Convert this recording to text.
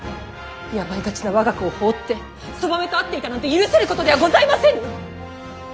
病がちな我が子を放ってそばめと会っていたなんて許せることではございませぬ！